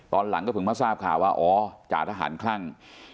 ตอนหลังก็เพิ่งมาทราบข่าวว่าอ๋อจ่าทหารคลั่ง